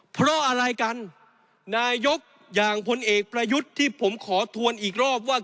เพราะอะไรกันนายกอย่างพลเอกประยุทธ์ที่ผมขอทวนอีกรอบว่า